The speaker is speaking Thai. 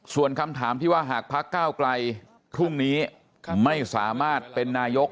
ส่วนคำถามที่ว่าหากพักก้าวไกลพรุ่งนี้ไม่สามารถเป็นนายก